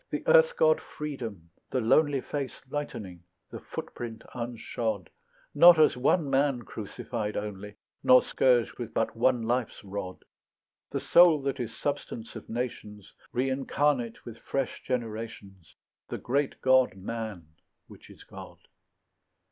The earth god Freedom, the lonely Face lightening, the footprint unshod, Not as one man crucified only Nor scourged with but one life's rod; The soul that is substance of nations, Reincarnate with fresh generations; The great god Man, which is God.